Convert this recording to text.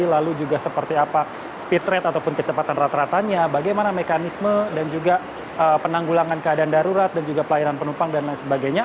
lalu juga seperti apa speed rate ataupun kecepatan rata ratanya bagaimana mekanisme dan juga penanggulangan keadaan darurat dan juga pelayanan penumpang dan lain sebagainya